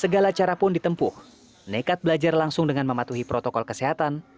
segala cara pun ditempuh nekat belajar langsung dengan mematuhi protokol kesehatan